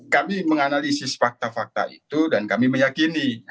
kami menganalisis fakta fakta itu dan kami meyakini